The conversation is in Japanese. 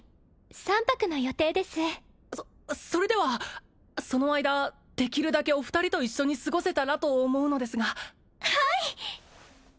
三泊の予定ですそそれではその間できるだけお二人と一緒に過ごせたらと思うのですがはい！